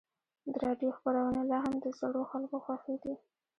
د راډیو خپرونې لا هم د زړو خلکو خوښې دي.